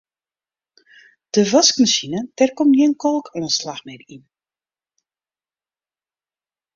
De waskmasine dêr komt gjin kalkoanslach mear yn.